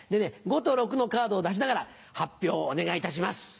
５と６のカードを出しながら発表お願いいたします。